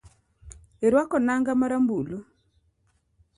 Irwako nanga ma rambulu